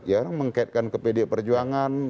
ya orang mengkaitkan ke pdi perjuangan